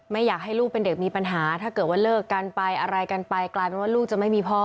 อยากให้ลูกเป็นเด็กมีปัญหาถ้าเกิดว่าเลิกกันไปอะไรกันไปกลายเป็นว่าลูกจะไม่มีพ่อ